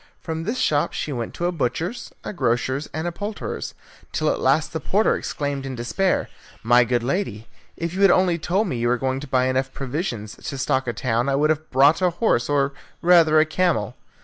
From this shop she went to a butcher's, a grocer's, and a poulterer's, till at last the porter exclaimed in despair, "My good lady, if you had only told me you were going to buy enough provisions to stock a town, I would have brought a horse, or rather a camel."